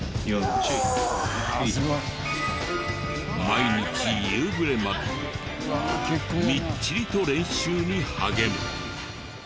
毎日夕暮れまでみっちりと練習に励む。